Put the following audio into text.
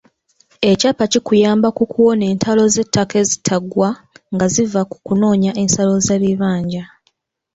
Ekyapa kikuyamba ku kuwona entalo z'ettaka ezitaggwa nga ziva ku kunoonya ensalo z'ebibanja.